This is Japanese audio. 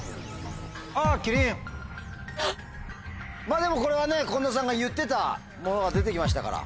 まぁでもこれはね近藤さんが言ってたものが出て来ましたから。